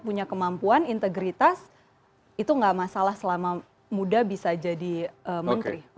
punya kemampuan integritas itu nggak masalah selama muda bisa jadi menteri